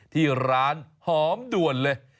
ที่ร้านหอมด่วนเลย